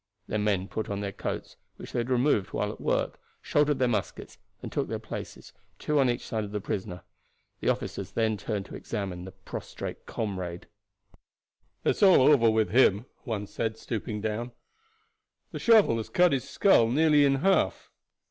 The men put on their coats, which they had removed while at work, shouldered their muskets, and took their places, two on each side of the prisoner. The officers then turned to examine their prostrate comrade. "It's all over with him," one said, stooping down; "the shovel has cut his skull nearly in half.